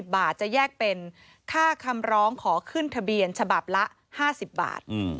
บาทจะแยกเป็นค่าคำร้องขอขึ้นทะเบียนฉบับละ๕๐บาท